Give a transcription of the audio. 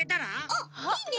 あっいいね。